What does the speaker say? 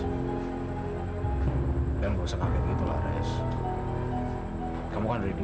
kalau nggak usah minum lahres akan read